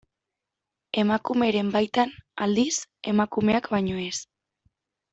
Emakumeren baitan, aldiz, emakumeak baino ez.